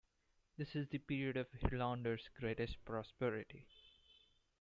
This is the period of Hilandar's greatest prosperity.